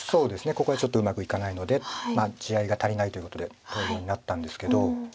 ここがちょっとうまくいかないので地合いが足りないということで投了になったんですけど。